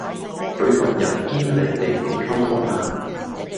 佢份人堅離地點溝通呀